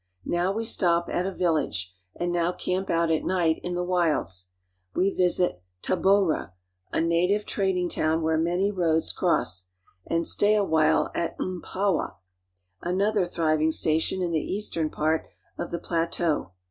Now we stop l at a village, and now camp out at night in the wilds. We visit Tabora (ta bo'ra), a native trading town where many roads cross, and stay awhile at Mpapwa (m'pa'pwa), another thriving station in the eastern part of the plateau.